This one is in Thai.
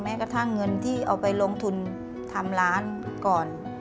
กระทั่งเงินที่เอาไปลงทุนทำร้านก่อน